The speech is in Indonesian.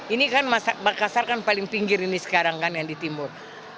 ini kan makassar kan paling pinggir ini sekarang kan yang di timur